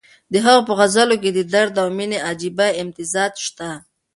د هغه په غزلونو کې د درد او مېنې عجیبه امتزاج شته.